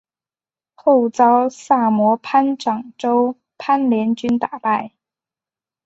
后遭萨摩藩长州藩联军打败。